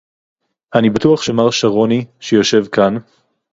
אני בטוח שמר שרוני, שיושב כאן